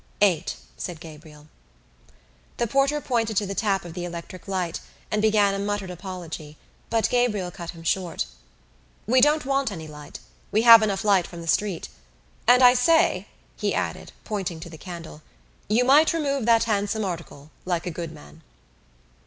"Eight," said Gabriel. The porter pointed to the tap of the electric light and began a muttered apology but Gabriel cut him short. "We don't want any light. We have light enough from the street. And I say," he added, pointing to the candle, "you might remove that handsome article, like a good man."